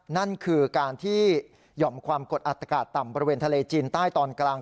นั่นคือการที่หย่อมความกดอากาศต่ำบริเวณทะเลจีนใต้ตอนกลาง